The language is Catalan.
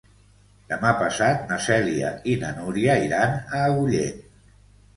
Demà passat na Cèlia i na Núria iran a Agullent.